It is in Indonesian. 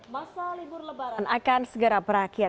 masa libur lebaran akan segera berakhir